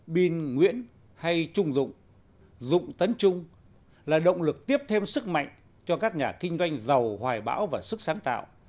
bin nguyễn hay trung dụng tấn trung là động lực tiếp thêm sức mạnh cho các nhà kinh doanh giàu hoài bão và sức sáng tạo